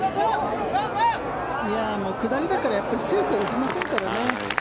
下りだから強くは打てませんからね。